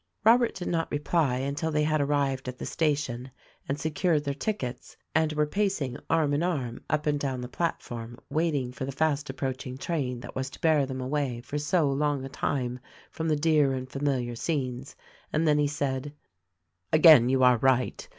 Robert did not reply until they had arrived at the station and secured their tickets and were pacing arm in arm up and down the platform waiting for the fast approaching train that was to bear them away for so long a time from the dear and familiar scenes, and then he said : "Again you are right.